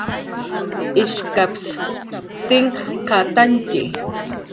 ishkaspsa tinkqhatantyi